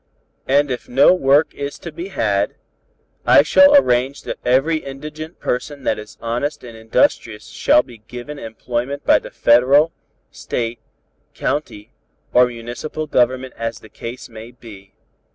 And if no work is to be had, I shall arrange that every indigent person that is honest and industrious _shall be given employment by the Federal, State, County or Municipal Government as the case may be.